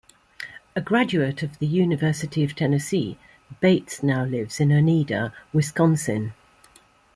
A graduate of the University of Tennessee, Bates now lives in Oneida, Wisconsin.